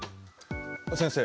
先生